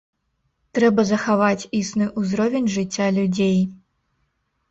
Трэба захаваць існы ўзровень жыцця людзей.